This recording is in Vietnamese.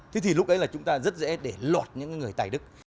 thế thì lúc ấy là chúng ta rất dễ để lọt những người tài đức